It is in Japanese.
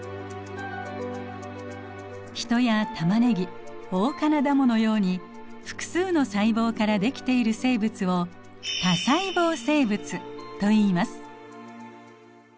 ヒトやタマネギオオカナダモのように複数の細胞からできている生物を多細胞生物といいます。